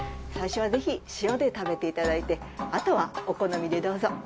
最初はぜひ塩で食べていただいてあとはお好みでどうぞ。